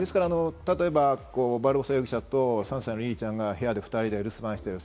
バルボサ容疑者と３歳のリリィちゃんが部屋で２人で留守番している。